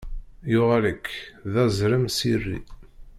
Yuɣal-ak, d azrem s iri.